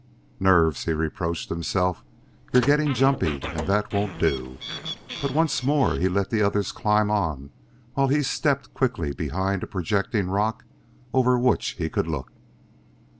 "Nerves!" he reproached himself. "You're getting jumpy, and that won't do." But once more he let the others climb on while he stepped quickly behind a projecting rock over which he could look.